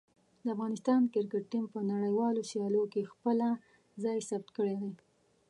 د افغانستان کرکټ ټیم په نړیوالو سیالیو کې خپله ځای ثبت کړی دی.